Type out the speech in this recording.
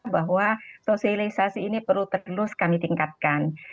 bahwa sosialisasi ini perlu terus kami tingkatkan